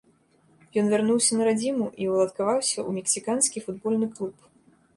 Ён вярнуўся на радзіму і ўладкаваўся ў мексіканскі футбольны клуб.